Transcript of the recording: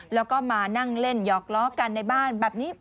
แล้วก็มานั่งเล่นหยอกล้อกันในบ้านแบบนี้